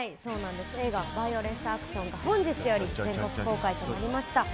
映画「バイオレンスアクション」が本日より全国公開となりました。